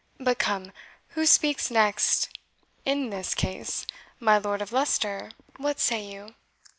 But come, who speaks next in this case? My Lord of Leicester, what say you?"